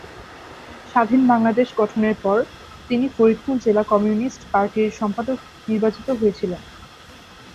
স্বাধীন বাংলাদেশ গঠনের পর তিনি ফরিদপুর জেলা কমিউনিস্ট পার্টির সম্পাদক নির্বাচিত হয়েছিলেন।